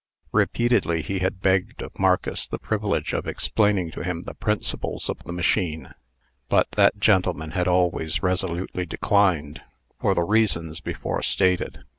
Repeatedly he had begged of Marcus the privilege of explaining to him the principles of the machine; but that gentleman had always resolutely declined, for the reasons before stated.